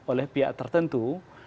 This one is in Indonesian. oleh pihak tertentu